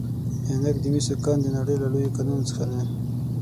د عینک د مسو کان د نړۍ له لویو کانونو څخه دی.